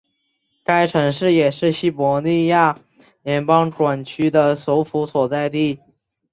该城市也是西伯利亚联邦管区的首府所在地。